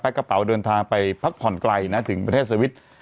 กระเป๋าเดินทางไปพักผ่อนไกลนะถึงประเทศสวิตช์